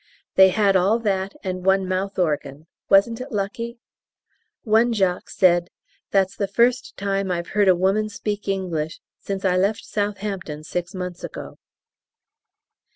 They had all that and one mouth organ wasn't it lucky? One Jock said, "That's the first time I've heard a woman speak English since I left Southampton six months ago!"